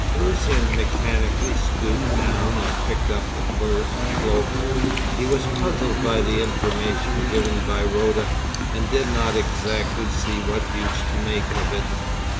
Lucian mechanically stooped down and picked up the fur cloak. He was puzzled by the information given by Rhoda, and did not exactly see what use to make of it.